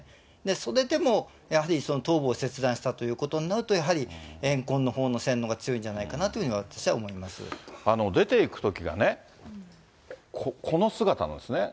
それでもやはり、頭部を切断したということになると、やはり怨恨のほうの線のほうが強いんじゃないかなというふうには出ていくときがね、この姿なんですね。